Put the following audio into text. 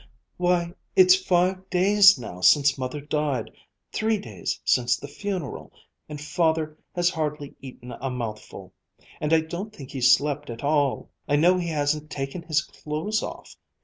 "Why it's five days now since Mother died, three days since the funeral and Father has hardly eaten a mouthful and I don't think he's slept at all. I know he hasn't taken his clothes off.